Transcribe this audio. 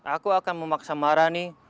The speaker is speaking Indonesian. aku akan memaksa maharani